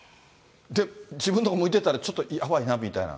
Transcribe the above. で、自分のとこ向いてたら、ちょっとやばいなみたいな。